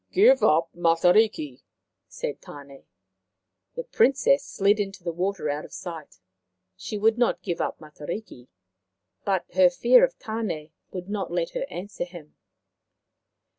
" Give up Matariki," said Tane. The Prin cess slid into the water out of sight. She would not give up Matariki, but her fear of Tane would not let her answer him.